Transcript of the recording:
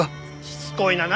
しつこいな。